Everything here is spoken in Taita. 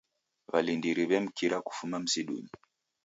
W'alindiri w'emkira kufuma msidunyi.